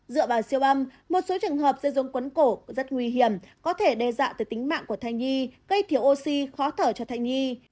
dựa vào siêu âm một số trường hợp dây rốn cuốn cổ rất nguy hiểm có thể đe dạng tới tính mạng của thai nhi gây thiếu oxy khó thở cho thai nhi